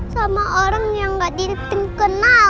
sama orang yang gak dikenal